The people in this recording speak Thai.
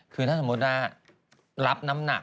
คือถ้าสมมุติว่ารับน้ำหนัก